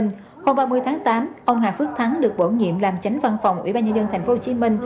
hôm ba mươi tháng tám ông hà phước thắng được bổ nhiệm làm tránh văn phòng ủy ban nhân dân tp hcm